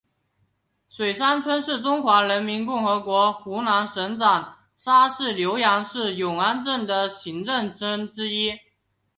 水山村是中华人民共和国湖南省长沙市浏阳市永安镇的行政村之一。